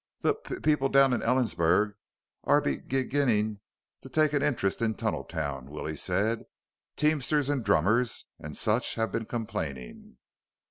"The p people down in Ellensburg are beg g ginning to take an interest in Tunneltown," Willie said. "Teamsters and drummers and such have been complaining."